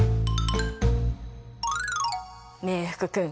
ねえ福君